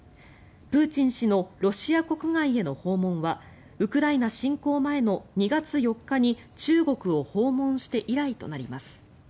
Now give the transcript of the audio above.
プーチン氏のロシア国外への訪問はウクライナ侵攻前の２月４日に中国を訪問して以来となります。